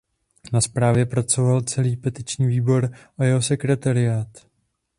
Na zprávě pracoval celý Petiční výbor a jeho sekretariát.